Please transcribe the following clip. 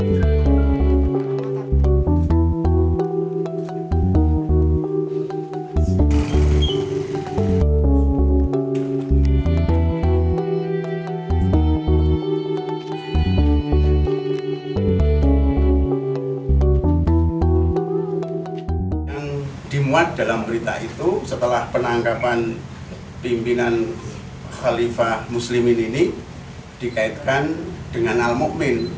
yang dimuat dalam berita itu setelah penangkapan pimpinan khalifah muslimin ini dikaitkan dengan al mu'min